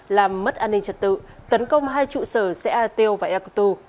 làm mất an ninh trật tự tấn công hai trụ sở xã ateo và ekoto